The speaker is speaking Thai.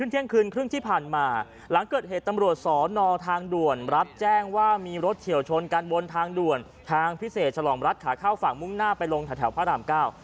เที่ยงคืนครึ่งที่ผ่านมาหลังเกิดเหตุตำรวจสอนอทางด่วนรับแจ้งว่ามีรถเฉียวชนกันบนทางด่วนทางพิเศษฉลองรัฐขาเข้าฝั่งมุ่งหน้าไปลงแถวพระรามเก้า